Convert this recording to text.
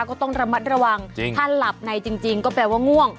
ก็ต้องระมัดระวังถ้าหลับในจริงก็แปลว่าง่วง